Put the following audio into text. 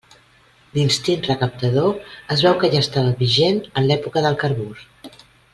L'instint recaptador es veu que ja estava vigent en l'època del carbur.